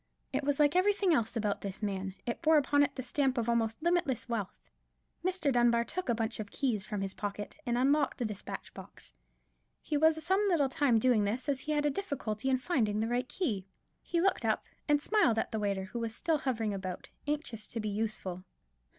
It was like everything else about this man: it bore upon it the stamp of almost limitless wealth. Mr. Dunbar took a bunch of keys from his pocket, and unlocked his despatch box. He was some little time doing this, as he had a difficulty in finding the right key. He looked up and smiled at the waiter, who was still hovering about, anxious to be useful.